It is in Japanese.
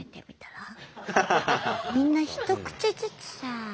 みんな一口ずつさあ。